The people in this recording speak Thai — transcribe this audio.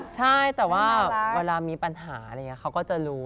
ใช่แต่ว่าเวลามีปัญหาอะไรอย่างนี้เขาก็จะรู้